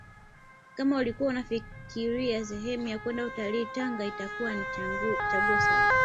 Kama ulikuwa unafikiria sehemu ya kwenda kutalii Tanga itakuwa ni chaguo sahihi